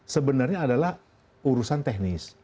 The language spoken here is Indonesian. sebenarnya adalah urusan teknis